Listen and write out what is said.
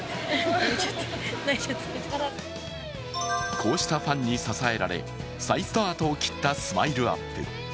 こうしたファンに支えられ再スタートを切ったＳＭＩＬＥ−ＵＰ．